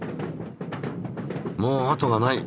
もう後がない。